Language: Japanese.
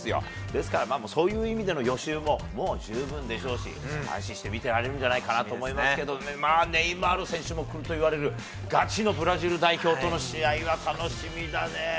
ですから、そういう意味での予習ももう十分でしょうし、安心して見てられるんじゃないかなと思うんですけどね、まあ、ネイマール選手も来るといわれる、ガチのブラジル代表との試合は楽しみだね。